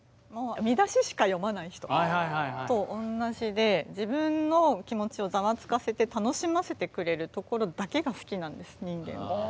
見出ししか読まない人と同じで自分の気持ちをザワつかせて楽しませてくれるところだけが好きなんです人間は。